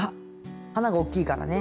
花がおっきいからね。